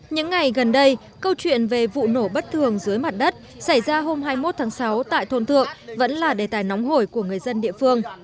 những ngày gần đây câu chuyện về vụ nổ bất thường dưới mặt đất xảy ra hôm hai mươi một tháng sáu tại thôn thượng vẫn là đề tài nóng hổi của người dân địa phương